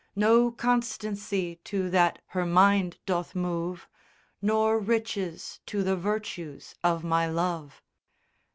No constancy to that her mind doth move, Nor riches to the virtues of my love.